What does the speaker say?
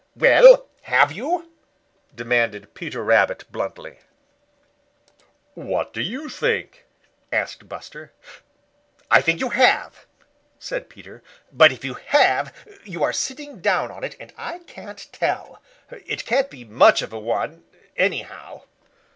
"Well, have you?" demanded Peter Rabbit bluntly. "What do you think?" asked Buster. "I think you have," said Peter. "But if you have you are sitting down on it and I can't tell. It can't be much of a one, anyhow."